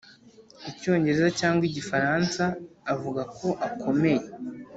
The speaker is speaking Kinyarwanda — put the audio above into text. Icyongereza cyangwa Igifaransa avuga ko akomeye